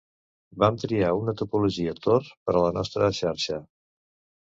Vam triar una topologia tor per a la nostra xarxa.